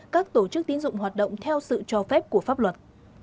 các tổ chức tín dụng hoạt động theo sự cho phép của pháp luật